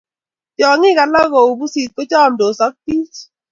tyongik alak kou pusit kochomdos ak biich